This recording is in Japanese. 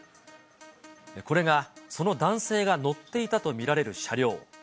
これがその男性が乗っていたと見られる車両。